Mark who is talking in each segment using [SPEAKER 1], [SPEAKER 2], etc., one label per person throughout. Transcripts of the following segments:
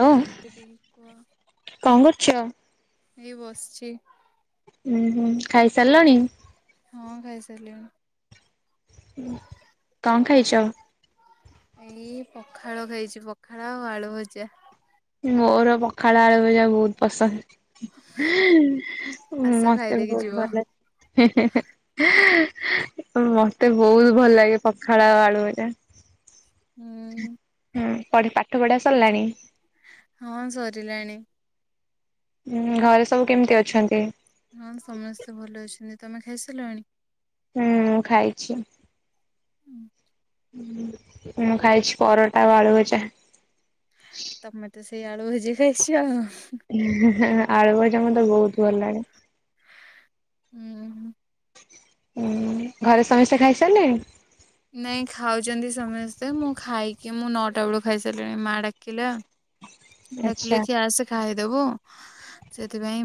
[SPEAKER 1] Hello
[SPEAKER 2] ଦି କୁହ
[SPEAKER 1] କଣ କରୁଛ?
[SPEAKER 2] ଏଇ ବସିଛି।
[SPEAKER 1] ଉଁ ହୁଁ ଖାଇସାଲଣି?
[SPEAKER 2] ହଁ ଖାଇସାଲିନି।
[SPEAKER 1] ଉଁ କଣ ଖାଇଛ?
[SPEAKER 2] ଏଇ ପଖାଳ ଖାଇଛି ପଖାଳ ଆଉ ଆଳୁ ଭଜା।
[SPEAKER 1] ମୋର ପଖାଳ ଆଳୁ ଭଜା ବହୁତ ପସନ୍ଦ।
[SPEAKER 2] ଆସ
[SPEAKER 1] ମତେ ବି
[SPEAKER 2] ଖାଇଦେଇକି
[SPEAKER 1] ବହୁତ
[SPEAKER 2] ଯିବ।
[SPEAKER 1] ଭଲ। ମତେ ବହୁତ ଭଲ ଲାଗେ ପଖାଳ ଆଉ ଆଳୁଭଜା।
[SPEAKER 2] ହୁଁ।
[SPEAKER 1] ହୁଁ ପଢି ପାଠ ପଢ଼ା ସଲାଣି?
[SPEAKER 2] ହଁ ସରିଲାଣି।
[SPEAKER 1] ଉଁ ଘରେ ସବୁ କେମିତି ଅଛନ୍ତି?
[SPEAKER 2] ହଁ ସମସ୍ତେ ଭଲ ଅଛନ୍ତି ତମେ ଖାଇସାଲଣି?
[SPEAKER 1] ହୁଁଁ ମୁଁ ଖାଇଛି।
[SPEAKER 2] ହୁଁ।
[SPEAKER 1] ହୁଁ ମୁଁ ଖାଇଛି ପରଟା ଆଉ ଆଲୁଗଜା।
[SPEAKER 2] ତମେ ତ ସେଇ ଆଳୁ ଭୁଜି ଖାଇଛ ଆଉ।
[SPEAKER 1] ଆଳୁ ଭଜା ମତେ ବହୁତ ଭଲ ଲାଣି।
[SPEAKER 2] ଉଁ ହୁଁ।
[SPEAKER 1] ହୁଁ ଘରେ ସମସ୍ତେ ଖାଇ ସାରିଲେଣି?
[SPEAKER 2] ନାଇଁ ଖାଉଛନ୍ତି ସମସ୍ତେ ମୁଁ ଖାଇକି ମୁଁ ନଅଟା ବେଳୁ ଖାଇସାରିଲିଣି ମାଆ ଡାକିଲା
[SPEAKER 1] ହଁ
[SPEAKER 2] ଡାକିଲେ କି ଆସ ଖାଇଦେବୁ ସେଥିପାଇଁ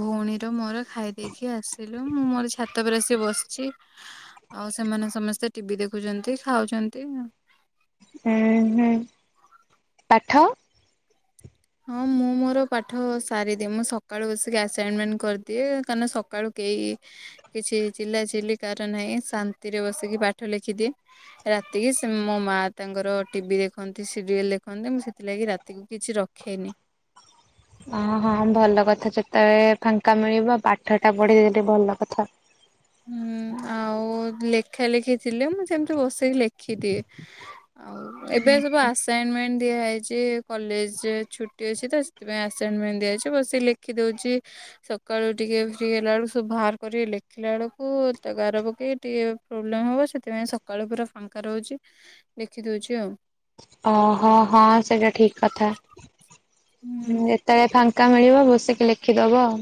[SPEAKER 2] ଭଉଣୀର ମୋର ଖାଇ ଦେଇେକି ଆସିଲୁ ମୁଁ ମୋର ଛାତ ଉପରେ ଆସିଛି ବସିଛି। ଆଉ ସେମାନେ ସମସ୍ତେ ଟିଭିି ଦେଖୁଛନ୍ତି ଖାଉଛନ୍ତି।
[SPEAKER 1] ଉଁ ହୁଁ ପାଠ?
[SPEAKER 2] ହଁ ମୁଁ ମୋର ପାଠ ସାରିଦିଏ ମୁଁ ସକାଳୁ ବସିକି ଆସାଇନମେଣ୍ଟ କରିଦିଏ କାରଣ ନ ସକାଳୁ କେହି କିଛି ଚିଲା ଚିଲି କାହାର ନାହିଁ ଶାନ୍ତିରେ ବସିକି ପାଠ ଲେଖିଦିଏ ରାତିକି ସେ ମୋ ମା ତାଙ୍କର ଟିଭି ଦେଖନ୍ତି ସିରିଏଲ ଦେଖନ୍ତି ମୁଁ ସେଥିଲାଗି ରାତିକୁ କିଛି ରଖ୍ ଖେନି।
[SPEAKER 1] ଓ ହଁ ଭଲ କଥା ଯେତେବେଳେ ଫାଙ୍କା ମିଳିବ ପାଠଟା ପଢି ଦେଲେ ଭଲ କଥା।
[SPEAKER 2] ହୁଁ ଆଉ ଲେଖା ଲେଖି ଥିଲେ ମୁଁ ସେମତି ବସିକି ଲେଖିଦିଏ। ଆଉ ଏବେ ସବୁ ଆସାଇନମେଣ୍ଟ ଦିଆହେଇଛି କଲେଜରେ ଛୁଟି ଅଛି ତ ସେଥିପାଇଁ ଆସାଇନମେଣ୍ଟ ଦିଆହେଇଛି ବସି ଲେଖିଦଉଛି। ସକାଳୁ ଟିକେ ଫ୍ରି ହେଲା ବେଳକୁ ସବୁ ବାହାର କରି ଲେଖିଲା ବେଳକୁ କୁ ତା ଗାର ପକେଇ ଟିକେ ପ୍ରୋବ୍ଲେମ ହବ ସେଥିପାଇଁ ସକାଳୁ ପୁରା ଫାଙ୍କା ରହୁଛି ଲେଖିଦଉଛି ଆଉ।
[SPEAKER 1] ଓହୋ ହଁ ସେଇଟା ଠିକ କଥା
[SPEAKER 2] ହୁଁ
[SPEAKER 1] ଯେତେବେଳେ ଫାଙ୍କ୍ କା ମିଳିବ ବସିକି ଲେଖିଦେବ ଆଉ।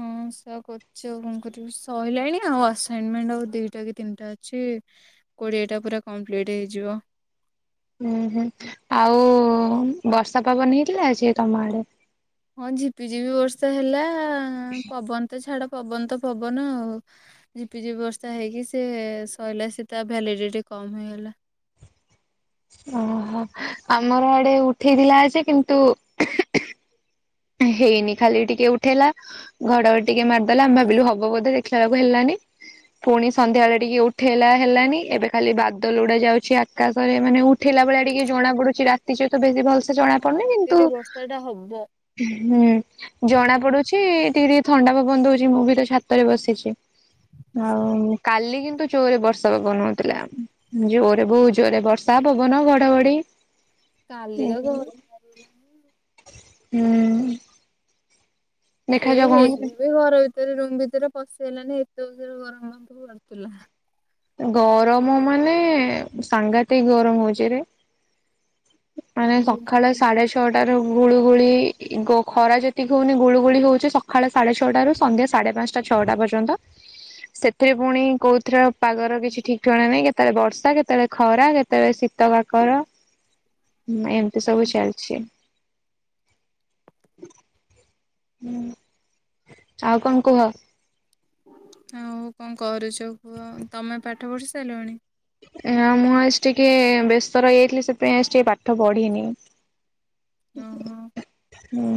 [SPEAKER 2] ହଁ ସେଇୟା କହୁ ଛି ଆଉ କଣ କରିବି ସରିଲାଣି ଆଉ ଆସାଇନମେଣ୍ଟ ଆଉ ଦିଟା କି ତିନିଟା ଅଛି କୋଡ଼ିଏଟା ପୁରା କମ୍ପ୍ଲିଟ୍ ହେଇଯିବ।
[SPEAKER 1] ହୁଁ ହୁଁ ଆଉ ବର୍ଷା ପବନ ହେଇଥିଲା ସେ ତମ ଆଡେ?
[SPEAKER 2] ହଁ ଝିପିଝିପି ବର୍ଷା ହେଲା ପବନ ତ ଛାଡ ପବନ ତ ପବନ ଆଉ। ଝିପି ଝିପି ବର୍ଷା ହେଇକି ସେ ସଇଲା ସେ ତା ଭାଲିଡିଟି କମିଗଲା।
[SPEAKER 1] ଓହୋ ଆମର ଆଡେ ଉଠେଇଥିଲା ଯେ କିନ୍ତୁ ହେଇନି ଖାଲି ଟିକେ ଉଠେଇଲା ଘଡଘଡି ଟିକେ ମାରିଦେଲା ଆମେ ଭାବିଲୁ ହବ ବୋଧେ ଦେଖିଲାବେଳକୁ ହେଲାନି ପୁଣି ସନ୍ଧ୍ୟାବେଳେ ଟିକେ ଉଠେଇଲା ହେଲାନି ଏବେ ଖାଲି ବାଦଲ ଉଡା ଯାଉଛି ଆକାଶରେ ମାନେ ଉ ଠିଲା ଭଳିଆ ଟିକେ ଜଣା ପଡୁଛି ରାତି ସହିତ ବେଶୀ ଭଲସେ ଜଣା ପଡୁନି କିନ୍ତୁ
[SPEAKER 2] ସେଇଟା ହବ।
[SPEAKER 1] ହୁଁ। ଜଣା ପଡୁଛି ଟିକେ ଟିକେ ଥଣ୍ଡା ପବନ ଦଉଛି ମୁଁ ବି ତ ଛାତରେ ବସିଛି। ଆଉ କାଲି କିନ୍ତୁ ଜୋରରେ ବର୍ଷା ପବନ ହଉଥିଲା। ଜୋରରେ ବହୁ ଜୋରରେ ବର୍ଷା ପବନ ଘଡଘଡି
[SPEAKER 2] କାଲି କା
[SPEAKER 1] ହୁଁ
[SPEAKER 2] ଘଡ୍ ଚାଲିଲାଣି ଆ
[SPEAKER 1] ହୁଁ।
[SPEAKER 2] ସିଏ ହେଇି
[SPEAKER 1] ହଉଛି।
[SPEAKER 2] ବି ଘର ଭିତରେ ରୁମ ଭିତରେ ପଶି ହେଲାନି ଏତେ ଜୋରସେ ଗରମ ଫରମ ଲାଗୁଥିଲା।
[SPEAKER 1] ଗରମ ମାନେ ସାଂଘାତିକ ଗରମ ହଉଚି ରେ। ମାନେ ସକାଳ ସାଢେ ଛ ଛଅଟାରୁ ଗୁଳୁଗୁଳି ଖ ଖରା ଯେତିକି ହଉନି ଗୁଳଗୁଳି ହଉଛି ସକାଳେ ସାଢେ ଛଅଟାରୁ ସନ୍ଧ୍ୟା ସାଢେ ପାଞ୍ଚ ଟା ଛଅଟା ପର୍ଯ୍ୟନ୍ତ ସେଥିରେ ପୁଣି କୋଉ ଥିରେ ପାଗର କିଛି ଠିକଣା ନାହିଁ କେତେବେଳେ ବର୍ଷା କେତେବେଳେ ଖରା କେତେବେଳେ ଶୀତ କାକର। ଏମିତି ସବୁ ଚାଲିଛି। ହୁଁ ଆଉ କଣ କୁହ?
[SPEAKER 2] ଆଉ କଣ କରୁଛ କୁହ ତମେ ପାଠ ପଢ଼ି ସାରିଲଣି।?
[SPEAKER 1] ମୁଁ ଆଜି ଟିକେ ବ୍ୟସ୍ତ ରହି ଯାଇଥିଲି ସେଥିପାଇଁ ଆଜି ଟିକେ ପାଠ ପଢ଼ିନି
[SPEAKER 2] ଓହୋ।
[SPEAKER 1] ହଁ।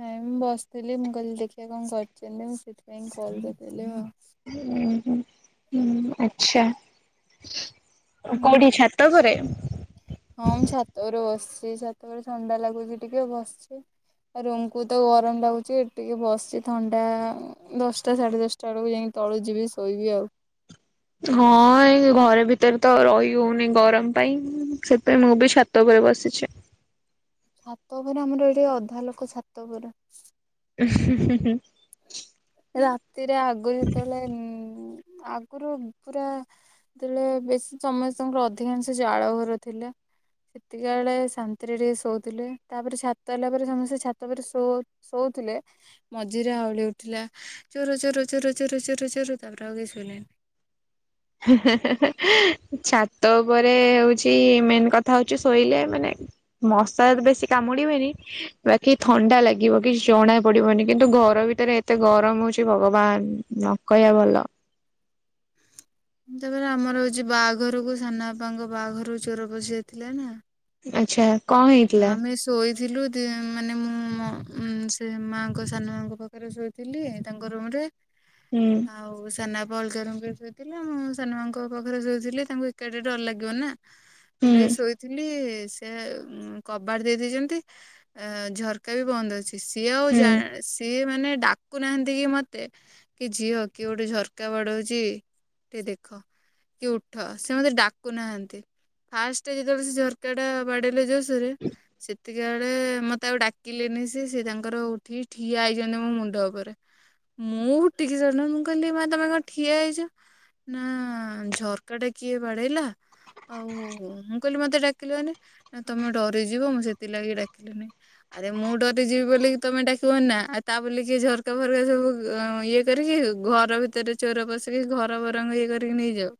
[SPEAKER 2] ନାଇଁ ମୁଁ ବସିଥିଲି ମୁଁ କହିଲି ଦେଖିବା କଣ କରୁଛନ୍ତି ମୁଁ ସେଥିପାଇଁ କଲ୍ କରିଥିଲି ଆଉ।
[SPEAKER 1] ହଁ ହଁ ହୁଁ ଆଛା।
[SPEAKER 2] ହୁଁ।
[SPEAKER 1] କଉଠି ଛାତ ଘରେ?
[SPEAKER 2] ହଁ ମୁଁ ଛାତ ଘରେ ବସିଛି ଛାତ ଘରେ ଥଣ୍ଡା ଲାଗୁଛି ଟିକେ ବସିଛି। ରୁମକୁତ ଗରମ ଲାଗୁଛି ଏଠି ଟିକେ ବସିଛି ଥଣ୍ଡା ଦଶଟା ସାଢ଼େ ଦଶଟା ବେଳକୁ ଯାଇକି ତଳୁ ଯିବି ଶୋଇବି ଆଉ।
[SPEAKER 1] ହଁ ଏ ଘରେ ଭିତରେତ ରହି ହଉନି ଗରମ ପାଇଁ ସେଥି ପାଇଁ ମୁଁ ବି ଚ୍ଛା ଉପରେ ବସିଛି।
[SPEAKER 2] ଛାତ ଉପରେ ଆମର ଏଇଠି ଅଧା ଲୋକ ଛାତ ଉପରେ।
[SPEAKER 1] ହ ହ [inaudible]
[SPEAKER 2] ରାତିରେ ଆଗରୁ ଯେତେବେଳେ ଆଗରୁ ପୁରା ସେତେବେଳେ ବେଶୀ ସମସ୍ତଙ୍କର ଅଧିକାଂଶ ଜାଳଘର ଥିଲା। ସେତିକା ବେଳେ ଶାନ୍ତିରେ ଟିକେ ଶୋଉଥିଲେ ତାପରେ ଛାତ ହେଲା ପରେ ସମସ୍ତେ ଛାତ ପରେ ଶୋଉ ଶୋଉଥିଲେ ମଝିରେ ହାଉଳି ଥିଲା ଚୋର ଚୋର ଚୋର ଚୋର ଚୋର ଚୋର ତାପରେ ଆଉ କି ସୁଇଲେନି।
[SPEAKER 1] ଛାତ ଉପରେ ହଉଛି ମେନ୍ କଥା ହଉଛି ଶୋଇଲେ ମାନେ ମଶା ବେଶୀ କମୁଡ଼ିବେନି ବାକି ଥଣ୍ଡା ଲାଗିବ କିଛି ଜଣା ପଡ଼ିବନି କିନ୍ତୁ ଘର ଭିତରେ ଏତେ ଗରମ ହଉଛି ଭଗବାନ। କହିବା ଭଲ [inaudible]
[SPEAKER 2] ଏମିତି ଆମର ଯୋଉ ବାହାଘରକୁ ସାନବାପାଙ୍କ ବାହାଘରକୁ ଚୋର ପଶି ଯାଇଥିଲା ନା।
[SPEAKER 1] ଆଚ୍ଛା। କଣ
[SPEAKER 2] ନା
[SPEAKER 1] ହେଇଥିଲା
[SPEAKER 2] ଆମେ ଶୋଇଥିଲୁ ମାନେ ମୁଁ ସେ ମାଆଙ୍କ ସାନ ମାଆଙ୍କ ପାଖରେ ଶୋଇଥିଲି ତାଙ୍କ ରୁମ୍ ରେ।
[SPEAKER 1] ହୁଁ
[SPEAKER 2] ଆଉ ସନା ବାପା ଅଲଗା ରୁମ୍ ରେ ଶୋଇଥିଲେ। ମୁଁ ସାନ ମାଆଙ୍କ ପାଖରେ ଶୋଇଥିଲି ତାଙ୍କୁ ଏକା ଟିକେ ଡର ଲାଗିବ ନା।
[SPEAKER 1] ହୁଁ
[SPEAKER 2] ଶୋଇଥିଲି ସେ କବାଟ ଦେଇ ଦେଇେଛନ୍ତି ଝରକା ବି ବନ୍ଦ ଅଛି ସିଏ ଆଉା
[SPEAKER 1] ହୁଁ
[SPEAKER 2] ଜଣ୍ ସିଏ ମାନେ ଡାକୁ ନାହାନ୍ତି କି ମତେ କି ଝିଅ କିଏ ଗୋଟେ ଝରକା ବାଡ଼ଉଛି। ଟିକେ ଦେଖ କି ଉଠ ସେ ମତେ ଡାକୁ ନାହାନ୍ତି। ଫାଷ୍ଟ ଯେତେବେଳେ ସେ ଝରକା ଟା ବାଡ଼େଇଲେ ଜୋର୍ ସେରେ
[SPEAKER 1] ହଁ [inaudible]
[SPEAKER 2] ସେତିକି ବେଳେ ମତେ ଆଉ ଡାକିଲେନି ସେ ସେ ତାଙ୍କର ଉଠିକି ଠିଆ ହେଇଛନ୍ତି ମୋ ମୁଣ୍ଡ ଉପରେ। ମୁଁ ଉଠିକି କଣ ମୁଁ କହିଲି ମା ତମେ କଣ ଠିଆ ହେଇଛ? ନା ଝରକାଟା କିଏ ବାଡ଼େଇଲା। ଆଉ ମୁଁ କହିଲି ମତେ ଡାକିଲି ନା ତମେ ଡରିଯିବ ମୁଁ ସେଥିଲାଗି ଡାକିଲିନି। ଆରେ ମୁଁ ଡରି ଯିବି ବୋଲି ତମେ ଡାକିବନି ନା ଆଉ ତା ବୋଲି ସିଏ ଝରକା ଫରକା ସବୁ ଇଏ କରିକି ଘର ଭିତରେ ଚୋର ପଶିକି ଘର ବରଙ୍ଗ ଇଏ କରିକି ନେଇଯାଉ।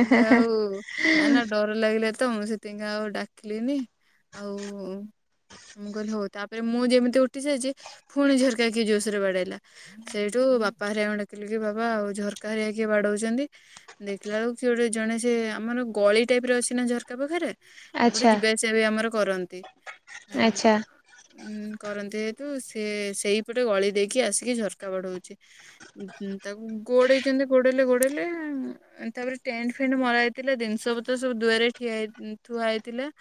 [SPEAKER 2] ହେଲେ ଆଉ ନା ନା ଡର ଲାଗିଲା ତ ମୁଁ ସେଥି ଆଉ ଡାକ ଆଉ। ମୁଁ କହିଲି ହଉ ତାପରେ ମୁଁ ଯେମିତି ଉଠିସାରିଚି ଫୁଣି ଝରକା କିଏ ଜୋରସରେ ବାଡେଇଲା। ସେଇଠୁ ବାପା ହରିଆକୁ ଡାକିଲୁ କି ବାବା ଆଉ ଝରକା ହରିକା କିଏ ବାଡଉଛନ୍ତି। ଦେଖିଲା ବେକୁ କି ଗୋଟେ ଜଣେ ସେ ଆମର ଗଳି ଟାଇପ ରେ ଅଛି ନା ଝରକା ପାଖରେ ସେପଟେ
[SPEAKER 1] ଆଚ୍ଛା
[SPEAKER 2] ଯିବାଆସିବା ବି ଆମର କରନ୍ତି ହୁଁ।
[SPEAKER 1] ଆଚ୍ଛା।
[SPEAKER 2] କରନ୍ତି ଯେହତୁ ସେ ସେଇପଟେ ଗଳି ଦେଇକି ଆସିକି ଝରକା ବାଡ଼ଉଛି। ତାକୁ ଗୋଡେଇଛନ୍ତି ଗୋଡେଇଲେ ଗୋଡେଇଲେ ତାପରେ ଟେଣ୍ଟ ଫେଣ୍ଟ ମରା ହେଇଥିଲା ଜିନିଷ ପତ୍ର ସବୁ ଦୁଆରେ ଠିଆ ହେଇ ଥୁଆହେଇ ଥିଲା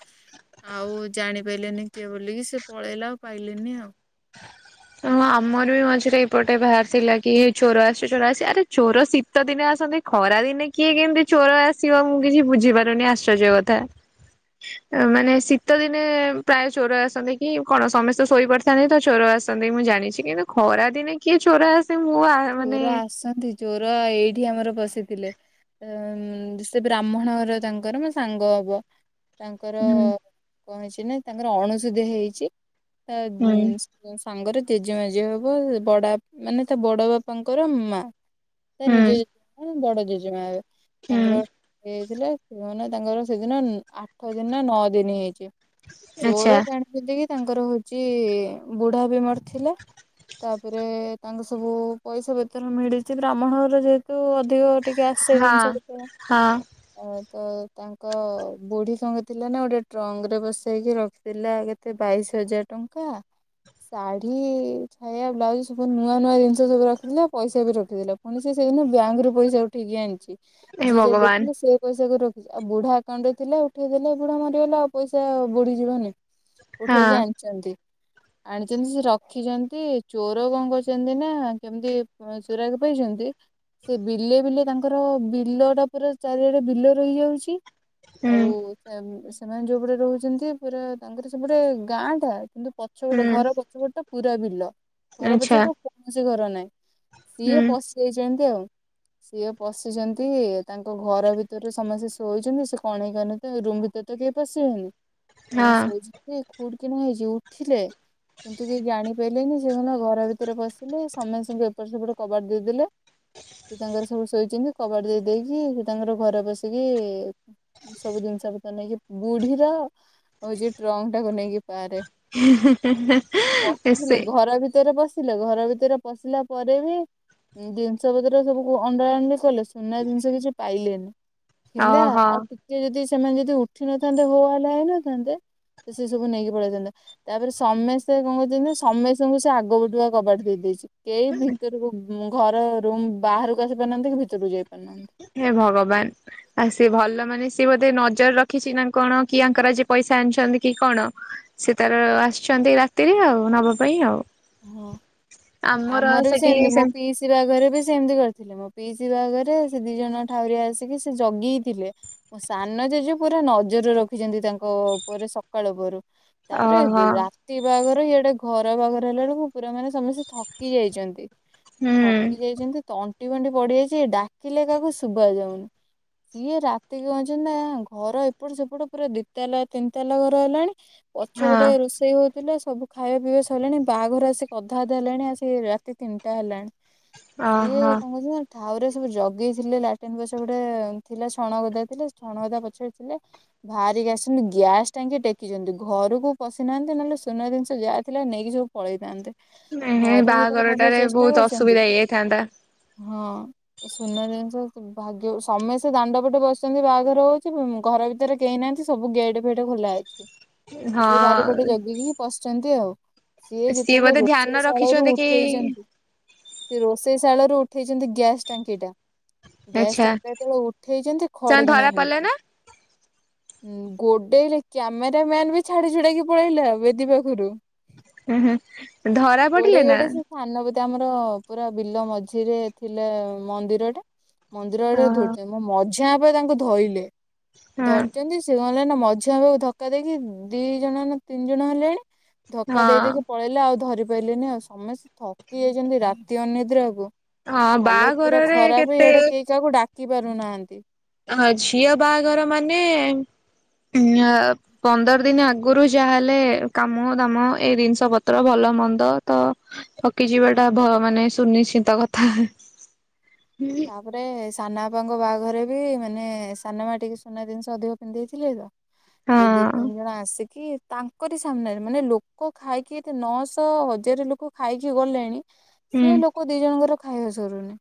[SPEAKER 2] ଆଉ ଜାଣି ପାଇଲେନି କିଏ ବୋଲିକି ସେ ପଳେଇଲା ଆଉ ପାଇଲେନି ଆଉ।
[SPEAKER 1] ହଁ ଆମର ବି ମଝିରେ ଏପଟେ ବାହାରି ଥିଲା କି ଚୋର ଆସିଛି ଚୋର ଆସିଚି ଆରେ ଚୋର ଶୀତ ଦିନେ ଆସନ୍ତି। ଖରା ଦିନେ କିଏ କେମିତି ଚୋର ଆସିବ ମୁଁ କିଛି ବୁଝିପାରୁନି ଆଶ୍ଚର୍ଯ୍ୟ କଥା। ମାନେ ଶୀତ ଦିନେ ପ୍ରାୟ ଚୋର ଆସନ୍ତି କି କଣ ସମସ୍ତେ ଶୋଇପଡିଥାନ୍ତି ତ ଚୋର ଆସନ୍ତି ମୁଁ ଜାଣିି କିନ୍ତୁ ଖରା ଦିନେ କିଏ ଚୋର ଆସେ ମୁଁ ଆ
[SPEAKER 2] ଚୋର ଆସନ୍ତି ଚୋର ଏଇଠି ଆମର ପଶିଥିଲେ। ଉ ସେ ବ୍ରାହ୍ମଣ ଘର ତାଙ୍କର ମୋ ସାଙ୍ଗ ହବ। ତାଙ୍କର
[SPEAKER 1] ହୁଁ
[SPEAKER 2] କଣ ହେଇଛି ନା ତାଙ୍କର ଅଣସୁଧୀଆ ହେଇଛି ତା
[SPEAKER 1] ହୁଁ
[SPEAKER 2] ଗିଁ ସାଙ୍ଗରେ ଜେଜେମା ଜିଏ ହବ ବଡ ଆପ ମାନେ ତା ବଡ ବାପାଙ୍କର ମା। ତା ନିଜ
[SPEAKER 1] ହୁଁ
[SPEAKER 2] ଜେଜେମା ନୁହୁଁ ବଡ ଜେଜେମା ହେବେ ତାଙ୍କର
[SPEAKER 1] ହୁଁ
[SPEAKER 2] ହେଇଥିଲେ କୁହନି ତାଙ୍କର ସେଦିନ ଆଠ ଦିନନା ନଅ ଦିନି ହେଇଛି
[SPEAKER 1] ଆଚ୍ଛା
[SPEAKER 2] ଚୋର ଜାଣିଛନ୍ତି କି ତାଙ୍କର ହଉଛି ବୁଢା ବି ମରିଥିଲା। ତାପରେ ତାଙ୍କ ସବୁ ପଇସା ପତର ମିଳିଛି ବ୍ରାହ୍ମଣ ଘର ଯେହେତୁ ଅଧିକ ଟିକେ ଆସେ
[SPEAKER 1] ହଁ
[SPEAKER 2] ଜିନିଷ ପତର
[SPEAKER 1] ହଁ
[SPEAKER 2] ଅ ତ ତାଙ୍କ ତାଙ୍କ ବୁଢ଼ୀ କଣ କରିଥିଲା ନା ଗୋଟେ ଟ୍ରଙ୍କରେ ବସେଇକି ରଖିଥିଲା କେତେ ବାଇଶ ହଜାର ଟଙ୍କା ଶାଢୀ ଛାୟା ବ୍ଲାଉଜ ସବୁ ନୂଆ ନୂଆ ଜିନିଷ ସବୁ ରଖ ଥିଲା ପଇସା ବି ରଖିଥିଲା ପୁଣି ସେ ସେଦିନ ବ୍ୟାଙ୍କରୁ ପଇସା ଉଠେଇକି ଆଣିଛି
[SPEAKER 1] ଏ
[SPEAKER 2] ଯିଏ ଯାହା
[SPEAKER 1] ଭଗବାନ
[SPEAKER 2] ଦେଖିଲେ ସେ ପଇସା କ ରଖିଛି ଆଉ ବୁଢା ଆକାଉଣ୍ଟ ରେ ଥିଲା ଉଠେଇ ଦେଲେ ବୁଢା ମରିଗଲା ଆଉ ପଇସା ବୁଡିଯିବନି। ଉଠେଇକି
[SPEAKER 1] ହଁ
[SPEAKER 2] ଆଣି ଛନ୍ତି ଆଣିଛନ୍ତି ସେ ରଖିଛନ୍ତି ଚୋର କଣ କରଛନ୍ତି ନା କେମତି ସୁରାକ ପାଇଛନ୍ତି ସେ ବିଲେ ବିଲେ ତାଙ୍କର ବିଲଟା ପୁରା ଚାରିଆଡେ ବିଲ ରହିଯାଉଛି
[SPEAKER 1] ହୁଁ
[SPEAKER 2] ଆଉ ସେ ସେମାନେ ଯୋଉପଟେ ରହୁଛନ୍ତି ପୁରା ତାଙ୍କର ସେପଟେ ଗାଁଆଟା। କିନ୍ତୁ ପଛପଟ
[SPEAKER 1] ହୁଁ
[SPEAKER 2] ଘର ପଛପଟ ଟା ପୁରା ବିଲ ଘର
[SPEAKER 1] ଆଚ୍ଛା
[SPEAKER 2] ପଛପଟୁ କୌଣସି ଘର ନାହିଁ। ନାଇଁ
[SPEAKER 1] ହୁଁ
[SPEAKER 2] ସିଏ ପଶିଯାଇଛନ୍ତି ଆଉ। ସିଏ ପଶିଛନ୍ତି ତାଙ୍କ ଘର ଭିତରେ ସମସ୍ତେ ଶୋଇଛନ୍ତି ସେ କଣେଇ [inaudible] ରୁମ୍ ଭିତରେ ତ କେହି ପଶିବେନି ଏ
[SPEAKER 1] ହଁ
[SPEAKER 2] ଶୋଇଛି ସେ ଖୁଡ କିିନା ହେଇଛି ଉଠିଲେ କିନ୍ତୁ କେହି ଜାଣି ପାଇଲେନି ସେ କିନା ଘର ଭିତରେ ପଶିଲେ। ସମେସ୍ତିଙ୍କୁ ଏପଟ ସେପଟ କବାଟ ଦେଇଦେଲେ। ସେ ତାଙ୍କର ସବୁ ଶୋଇଛନ୍ତି କବାଟ ଦେଇ ଦେଇକି ସେ ତାଙ୍କର ଘରେ ପସିକି ସବୁ ଜିନିଷ ପତର ନେଇକି ବୁଢୀର ହଉଚି ଟ୍ରଙ୍କଟାକୁ ନେଇକି କାରେ ପଶିଥିଲେ
[SPEAKER 1] ସେ
[SPEAKER 2] ଘର ଭିତରେ ପଶିଲେ ଘର ଭିତରେ ପଶିଲା ପରେ ବି ଜିନିଷ ପତ୍ର ସବୁକୁ ଅଣ୍ଡା ଆଣ୍ଡି କଲେ ସୁନା ଜିନିଷ କିଛି ପାଇଲେନି। ଥିଲା
[SPEAKER 1] ଓହୋ
[SPEAKER 2] ଆଉ ଟିକେ ଯଦି ସେମାନେ ଯଦି ଉଠି ନଥାନ୍ତେ ହୋ ହାଲା ହେଇନଥାନ୍ତେ ତ ସେ ସବୁ ନେଇକି ପଳେଇଥାନ୍ତେ। ତାପରେ ସମେସ୍ତେ କଣ କରିଛନ୍ତି ନା ସମେସ୍ତେଙ୍କୁ ସେ ଆଗ ପଟୁଆ କବାଟ ଦେଇ ଦେଇଛି। କେହି ଭିତରକୁ ଉମ ଘର ରୁମ୍ ବାହାରକୁ ଆସି ପାରୁନାହାନ୍ତି କି ଭିତରକୁ ଯାଇ ପାରୁନାହାନ୍ତି।
[SPEAKER 1] ହେ ଭଗବାନ! ଆଉ ସିଏ ଭଲ ମାନେ ସିଏ ବୋଧେ ନଜର ରଖିଛି ନା କଣ କି ଆଙ୍କର ଆଜି ପଇସା ଆଣିଛନ୍ତି କି କଣ? ସେ ତାର ଆସିଛନ୍ତି ରାତିରେ ଆଉ ନବା ପାଇଁ ଆଉ
[SPEAKER 2] ହଁ
[SPEAKER 1] ଆମର
[SPEAKER 2] ବି
[SPEAKER 1] ସେଠି
[SPEAKER 2] ସେମିତି
[SPEAKER 1] ସେମି
[SPEAKER 2] ମୋ ପିଈସୀ ବି ସେମତି କରିଥିଲେ ମୋ ପିଇସି ବାହାଘରେ ସେ ଦି ଜଣ ଠାଉରିଆ ଆସିକି ସେ ଜଗିକି ଥିଲେ ଯେ ମୋ ସାନ ଜେଜେ ପୁରା ନଜର ରଖିଛନ୍ତି ତାଙ୍କ ଉପରେ ସ ସକାଳ ପହରୁ ତାପରେ
[SPEAKER 1] ଓହୋ
[SPEAKER 2] ରାତି ବାହାଘର ଇଆଡେ ଘର ବାହାଘର ଦେଖିଲାବେଳକୁ ପୁରା ମାନେ ସମସ୍ତେ ଥକି ଯାଇଛନ୍ତି
[SPEAKER 1] ହୁଁ
[SPEAKER 2] ଥକି ଯାଇଛନ୍ତି ତଣ୍ଟି ଫଣ୍ଟି ପଡିଯାଇଛି ଡାକିଲେ କାହାକୁ ଶୁବା ଯାଉନି ସିଏ ରାତିକି ଅଛନ୍ତି ନା ଘର ଏପଟ ସେପଟ ପୁରା ଦି ତାଲା ତିନି ତାଲା ଘର ହେଲାଣି ପଛ
[SPEAKER 1] ହଁ
[SPEAKER 2] ପଟେ ରୋଷେଇ ହଉଥିଲା ସବୁ ଖାଇବା ପିଇବା ସଇଲାଣି ବାହାଘର ଆସିକି ଅଧା ଅଧା ହେଲାଣି ଆସି ରାତି ତିନିଟା ହେଲାଣି ସିଏ
[SPEAKER 1] ଓହୋ।
[SPEAKER 2] କଣ କରିଛିନା ପା ଥାଉ ରେ ସବୁ ଜଗେଇଥିଲେ ଲାଟିନ୍ ପଛ ପଟେ ଆଉ ଥିଲା ଛଣଗଦା ଥିଲେ ଛଣଗଦା ପଛରେ ଥିଲେ ଭାଆରିକି ଆସିଛନ୍ତି ଗ୍ୟାସ୍ ଟାଙ୍କି ଟେକିଛନ୍ତି ଘରକୁ ପଶିନାହାନ୍ତି ନହେଲେ ସୁନା ଜିନିଷ ଯାହା ଥିଲା ନେଇକି ସବୁ ପଳେଇଥାନ୍ତେ
[SPEAKER 1] ଏହେ
[SPEAKER 2] ଘରକୁ ଯେତେବେଳେ ପଶିବାକୁ
[SPEAKER 1] ବାହାଘରଟାରେ
[SPEAKER 2] ଚେଷ୍ଟା
[SPEAKER 1] ବହୁତ
[SPEAKER 2] କରିଛନ୍ତି
[SPEAKER 1] ଅସୁବିଧା ହେଇଯାଇଥାନ୍ତା
[SPEAKER 2] ହଁ ସୁନା ଜିନିଷ କୁ ଭାଗ୍ୟକୁ ସମସ୍ତେ ଦାଣ୍ଡ ପଟେ ବସିଛନ୍ତି ବାହାଘର ହଉଛି ଉ ଘର ଭିତରେ କେହି ନାହାନ୍ତି ସୁ ସବୁ ଗେଟ୍ ଫେଟ୍ ଖୋଲା ଅଛି ସିଏ ବାରିପଟେ
[SPEAKER 1] ହଁ।
[SPEAKER 2] ଜଗିକି ହିଁ ପଶଛନ୍ତି ଆଉ ସିଏ ଯେତେବେଳେ
[SPEAKER 1] ବୋଧେ ଧ୍ୟାନ
[SPEAKER 2] ରୋଷେଇ ଶାଳରୁ
[SPEAKER 1] ରଖିଛନ୍ତି କି
[SPEAKER 2] ଉଠେଇଛନ୍ତି ସେ ରୋଷେଇ ଶାଳରୁ ଉଠେଇଛନ୍ତି ଗ୍ୟାସ୍ ଟାଙ୍କି ଟା ଗ୍ୟାସ୍
[SPEAKER 1] ଆଚ୍ଛା
[SPEAKER 2] ଟାଙ୍କିଟା ଯେତେବେଳେ ଉଠେଇଚନ୍ତି
[SPEAKER 1] ସେମାନେ
[SPEAKER 2] ଖଡ୍ କିନା
[SPEAKER 1] ଧରା ପଡିଲେ
[SPEAKER 2] ହେଇଛି
[SPEAKER 1] ନା?
[SPEAKER 2] ଗୋଡେଇଲେ କ୍ୟାମେରା ମ୍ୟାନ୍ ବି ଛାଡ଼ି ଛୁଡାକି ପଳେଇଲା ବେଦୀ ପାଖରୁ
[SPEAKER 1] ଉଁ ହୁଁ ଧରା ପଡ଼ିଲେନା
[SPEAKER 2] ଧାନ ବି ତ ଆମର ପୁରା ବିଲ ମଝିରେ ଥିଲେ ମନ୍ଦିର ଟା ମନ୍ଦିର ଆଡେ
[SPEAKER 1] ଓହୋ
[SPEAKER 2] ଧୋଉଡିଛନ୍ତି ମୋ ମଝିଆ ବାପା ତାଙ୍କୁ ଧରଲେ
[SPEAKER 1] ହଁ
[SPEAKER 2] ଧରିଛନ୍ତି ସେ କଣ ହେଲା ନା ମଝିଆ ବାପାକୁ ଧକ୍କା ଦେଇକି ଦି ଜଣ ନା ତିନି ଜଣ ହେଲେଣି ସେ
[SPEAKER 1] ହଁ।
[SPEAKER 2] ଧକ୍କା ଦେଇ ଦେଇକି ପଳେଇଲେ ଆଉ ଧରି ପାଇଲେନି ଆଉ ସମସ୍ତେ ଥକି ଯାଇଛନ୍ତି ରାତି ଅନିଦ୍ରାକୁ
[SPEAKER 1] ହଁ
[SPEAKER 2] ହାଲତ ପୁରା
[SPEAKER 1] ବାହାଘରରେ
[SPEAKER 2] ଖରାପ
[SPEAKER 1] କେତେ
[SPEAKER 2] ଇଆଡ଼େ କେହି କାହାକୁ ଡାକି ପାରୁନାହାନ୍ତି
[SPEAKER 1] ହଁ ଝିଅ ବାହାଘର ମାନେ ଉ ଆ ପନ୍ଦର ଦିନ ଆଗରୁ ଯାହାହେଲେ କାମ ଦାମ ଏ ଜିନିଷ ପତ୍ର ଭଲ ମନ୍ଦ ତ ଥକିଯିବାଟା ଭ ମାନେ ସୁନିଶ୍ଚିତ କଥା
[SPEAKER 2] ତାପରେ ସାନାବାପାଙ୍କ ବାହାଘରେ ବି ମାନେ ସାନମା ଟିକେ ସୁନା ଜିନିଷ ଅଧିକ ପିନ୍ଧି ଦେଇଥିଲେ ତ ସେ ଦି
[SPEAKER 1] ହଁ
[SPEAKER 2] ତିନି ଜଣ ଆସିକି କି ତାଙ୍କରି ସାମ୍ନାରେ ମାନେ ଲୋକ ଖାଇକି ଏତେ ନଅଶହ ହଜାର ଲୋକ ଖାଇକି ଗଲେଣି
[SPEAKER 1] ହୁଁ
[SPEAKER 2] ସେ ଲୋକ ଦି ଜଣଙ୍କର ଖାଇବା ସରୁନି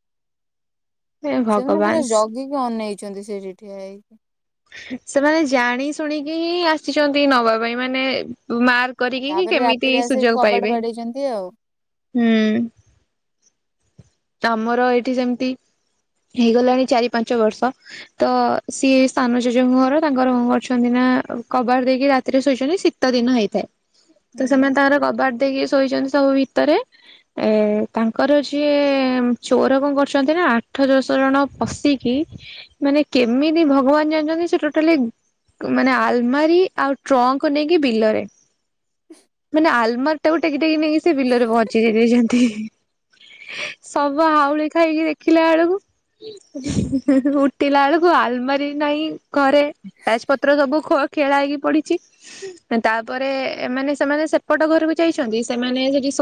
[SPEAKER 1] ହେ
[SPEAKER 2] ସେମାନେ
[SPEAKER 1] ଭଗବାନ
[SPEAKER 2] ପୁରା ଜଗିକି ଅନେଇଛନ୍ତି ସେଇଠି ଠିଆ ହେଇକି
[SPEAKER 1] ସେମାନେ ଜାଣି ଶୁଣିକି ହିଁ ଆସିଛନ୍ତି ନବା ପାଇଁ ମାନେ ମାର୍ କରିକି କି
[SPEAKER 2] ତାପରେ
[SPEAKER 1] କେମିତି
[SPEAKER 2] ରାତିରେ ଆସିକି
[SPEAKER 1] ସୁଯୋଗ
[SPEAKER 2] କବାଟ
[SPEAKER 1] ପାଇବେ
[SPEAKER 2] ବାଡେଇଛନ୍ତି ଆଉ
[SPEAKER 1] ହୁଁ ତମର ଏଇଠି ଯେମିତି ହେଇଗଲାଣି ଚାରି ପାଞ୍ଚ ବର୍ଷ ତ ସିଏ ସାନ ଜେଜେଙ୍କ ଘର ତାଙ୍କର କଣ କରିଛନ୍ତି ନା କବାଟ ଦେଇକି ରାତିରେ ଶୋଇଛନ୍ତି ଶୀ ଶୀତ ଦିନ ହେଇଥାଏ ତ
[SPEAKER 2] ହୁଁ।
[SPEAKER 1] ସେମାନେ ତାଙ୍କର କବାଟ ଦେଇକି ଶୋଇଛନ୍ତି ସବୁ ଭିତରେ ଏ ତାଙ୍କର ଯିଏ ଚୋର କଣ କରିଛନ୍ତି ନା ଆଠ ଦଶ ଜଣ ପଶିକି ମାନେ କେମିତି ଭଗବାନ ଜାଣିଛନ୍ତି ସେ ଟୋଟାଲି ମାନେ ଆଲମାରି ଆଉ ଟ୍ରକ ନେଇକି ବିଲରେ।
[SPEAKER 2] [inaudible]
[SPEAKER 1] ମାନେ ଆଲମାରି ଟାକୁ ଟେକି ଟେକି ନେଇକି ସେ ବିଲରେ ପହଞ୍ଚି ଯ ଦେଇଛନ୍ତି। ସବୁ ହାଉଳି ଖାଇକି ଦେଖିଲା ବେଳକୁ ଉଠିଲା ଏଳକୁ ଆଲମାରୀ ନାହିଁ ଘରେ ତାଜ ପତ୍ର ସବୁ ଖେଳ ହେଇକି ପଡିଚି। ତାପରେ ଏମାନେ ସେମାନେ ସେପଟ ଘରକୁ ଯାଇଛନ୍ତି ସେମାନେ ସେଟି ସୋଇ